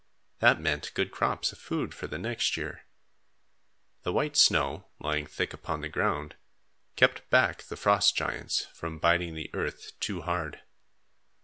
That meant good crops of food for the next year. The white snow, lying thick upon the ground, kept back the frost giants from biting the earth too hard.